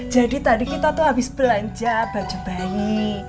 jadi tadi kita tuh abis belanja baju bayi